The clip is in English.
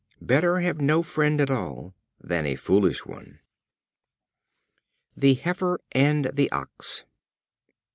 Better have no friend at all than a foolish one. The Heifer and the Ox.